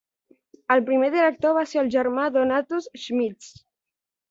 El primer director va ser el Germà Donatus Schmitz.